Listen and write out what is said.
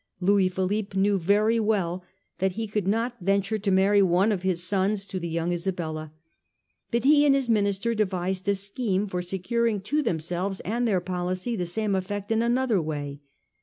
Louis Philippe knew very well that he could not venture to marry one of his sons to the young Isabella. But he and his minister devised a scheme for securing to themselves and their policy the same effect in another way.